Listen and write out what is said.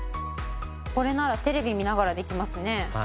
これならテレビ見ながらできますね。